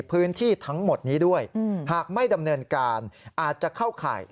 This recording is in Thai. พื้นที่ทั้งหมดนี้ด้วยหากไม่ดำเนินการอาจจะเข้าข่าย